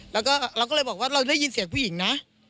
แล้วก็เราก็เลยบอกว่าเราได้ยินเสียงผู้หญิงนะ